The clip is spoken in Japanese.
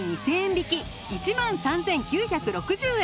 １万３９６０円。